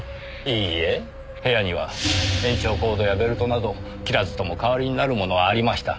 いいえ部屋には延長コードやベルトなど切らずとも代わりになるものはありました。